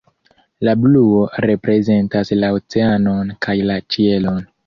La bluo reprezentas la oceanon kaj la ĉielon.